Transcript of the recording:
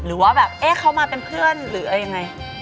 หรือว่าแบบเอ๊ะเขามาเป็นเพื่อนหรืออะไรยังไง